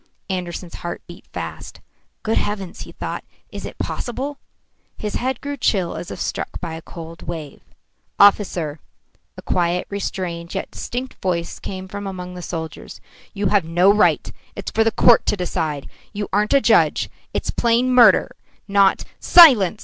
Andersen's heart beat fast. "Good heavens!" he thought. "Is it possible?" His head grew chill as if struck by a cold wave. "Officer," a quiet, restrained, yet distinct voice came from among the soldiers, "you have no right It's for the court to decide you aren't a judge it's plain murder, not " "Silence!"